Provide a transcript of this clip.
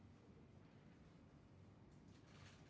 pak aku mau ke rumah gebetan saya dulu